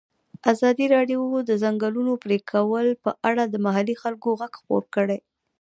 ازادي راډیو د د ځنګلونو پرېکول په اړه د محلي خلکو غږ خپور کړی.